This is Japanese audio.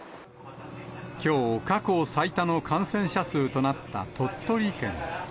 きょう、過去最多の感染者数となった鳥取県。